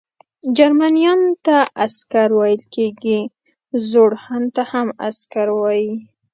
جرمنیانو ته عسکر ویل کیږي، زوړ هن ته هم عسکر وايي.